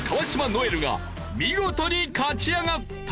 如恵留が見事に勝ち上がった！